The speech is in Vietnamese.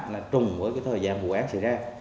là trùng với cái thời gian quán xảy ra